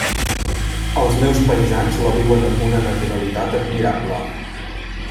Els meus paisans la viuen amb una naturalitat admirable.